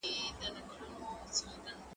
که وخت وي، سفر کوم!؟